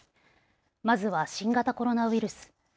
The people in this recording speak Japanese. まずは新型コロナウイルス。